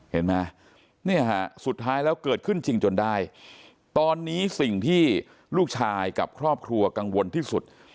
เห็นไหมเนี่ยฮะสุดท้ายแล้วเกิดขึ้นจริงจนได้ตอนนี้สิ่งที่ลูกชายกับครอบครัวกังวลที่สุด